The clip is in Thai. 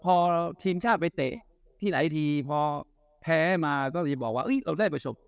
พอทีมชาติไปเตะที่ไหนทีพอแพ้มาก็จะบอกว่าเราได้ประสบ